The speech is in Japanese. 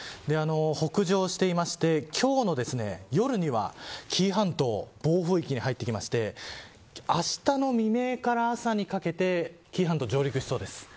北上していまして今日の夜には紀伊半島暴風域に入ってきてあしたの未明から朝にかけて紀伊半島に上陸しそうです。